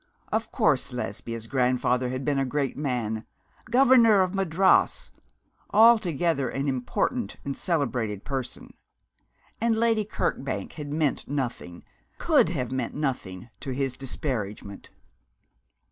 Of course Lesbia's grandfather had been a great man Governor of Madras; altogether an important and celebrated person and Lady Kirkbank had meant nothing, could have meant nothing to his disparagement.